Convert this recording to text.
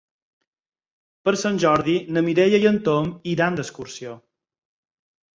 Per Sant Jordi na Mireia i en Tom iran d'excursió.